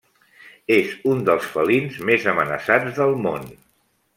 És un dels felins més amenaçats del món.